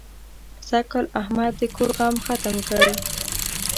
سږکال احمد د کور غم ختم کړ.